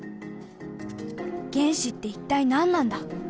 「原子って一体何なんだ？」。